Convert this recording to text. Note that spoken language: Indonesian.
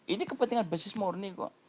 ini kepentingan bisnis murni kok